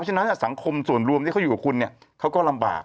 ฉะนั้นสังคมส่วนรวมที่เขาอยู่กับคุณเนี่ยเขาก็ลำบาก